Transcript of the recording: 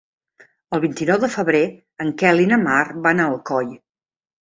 El vint-i-nou de febrer en Quel i na Mar van a Alcoi.